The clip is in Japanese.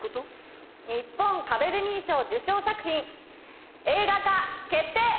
・日本カベデミー賞受賞作品映画化決定！